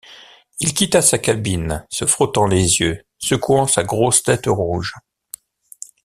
Il quitta sa cabine, se frottant les yeux, secouant sa grosse tête rouge.